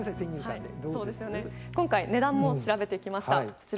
今回、値段も調べてきました。